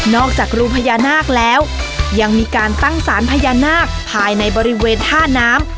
จากรูพญานาคแล้วยังมีการตั้งสารพญานาคภายในบริเวณท่าน้ำ